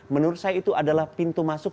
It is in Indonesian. menurut saya itu adalah pintu masuk